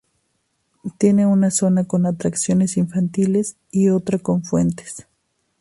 Tiene una zona con atracciones infantiles y otra con fuentes.